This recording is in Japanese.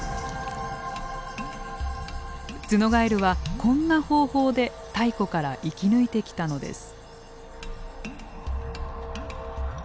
ツノガエルはこんな方法で太古から生き抜いてきたのです。